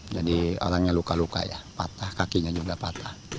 jadi orangnya luka luka ya patah kakinya juga patah